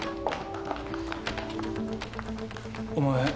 お前